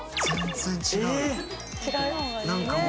全然違う。